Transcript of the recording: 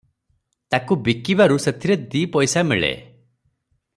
ତାକୁ ବିକିବାରୁ ସେଥିରେ ଦିପଇସା ମିଳେ ।